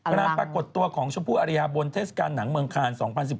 ปรากฏตัวของชมพู่อริยาบนเทศกาลหนังเมืองคาน๒๐๑๙